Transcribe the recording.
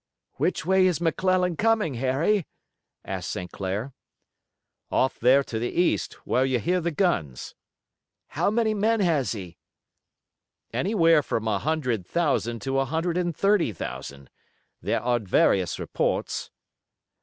"Which way is McClellan coming, Harry?" asked St. Clair. "Off there to the east, where you hear the guns." "How many men has he?" "Anywhere from a hundred thousand to a hundred and thirty thousand. There are various reports."